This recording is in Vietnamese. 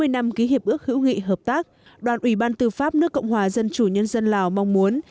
hai mươi năm ký hiệp ước hữu nghị hợp tác đoàn ủy ban tư pháp nước cộng hòa dân chủ nhân dân lào mong muốn